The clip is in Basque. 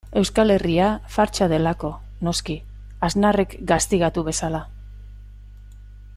Euskal Herria fartsa delako, noski, Aznarrek gaztigatu bezala.